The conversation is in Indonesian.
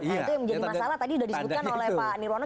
nah itu yang menjadi masalah tadi sudah disebutkan oleh pak nirwono